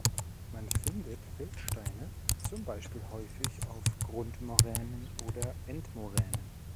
Man findet Feldsteine zum Beispiel häufig auf Grundmoränen oder Endmoränen.